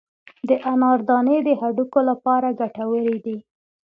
د انار دانې د هډوکو لپاره ګټورې دي.